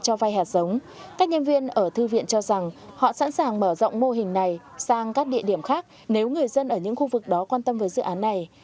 các hạt giống các nhân viên ở thư viện cho rằng họ sẵn sàng mở rộng mô hình này sang các địa điểm khác nếu người dân ở những khu vực đó quan tâm với dự án này